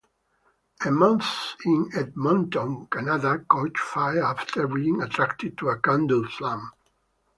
A moth in Edmonton, Canada caught fire after being attracted to a candle-flame.